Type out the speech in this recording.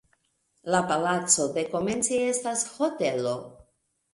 La palaco dekomence estas hotelo.